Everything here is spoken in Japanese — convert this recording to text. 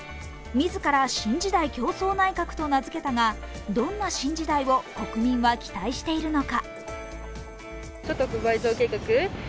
自ら新時代共創内閣と名付けたが、どんな新時代を国民は期待しているのか？